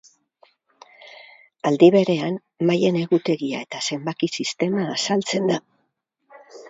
Aldi berean maien egutegia eta zenbaki sistema azaltzen da.